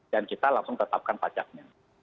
dan kita langsung tetapkan pajaknya